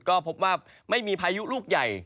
ก็พบว่าไม่มีพายุลูกใหญ่